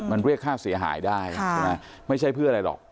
มันเรียกค่าเสียหายได้ใช่ไหมไม่ใช่เพื่ออะไรหรอก